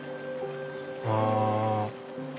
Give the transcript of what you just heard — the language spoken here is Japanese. ああ。